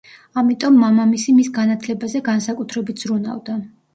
ამიტომ მამამისი მის განათლებაზე განსაკუთრებით ზრუნავდა.